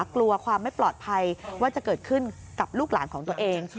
กลัวความไม่ปลอดภัยว่าจะเกิดขึ้นกับลูกหลานของตัวเอง